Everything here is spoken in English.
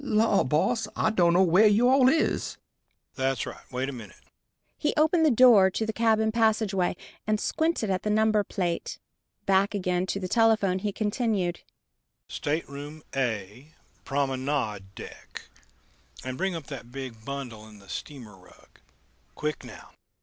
"Law, boss, I dunno whar you all is?" "That's right. Wait a minute." He opened the door to the cabin passageway, and squinted at the number plate. Back again to the telephone he continued: "Stateroom A, Promenade deck.... And bring up that big bundle in the steamer rug. Quick now."